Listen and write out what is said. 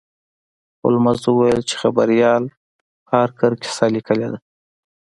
هولمز وویل چې خبریال هارکر کیسه لیکلې ده.